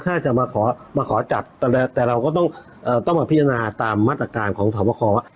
ถ้าจะมาขอจัดแต่เราก็ต้องมาพิจารณาตามมาตรการของสวขอ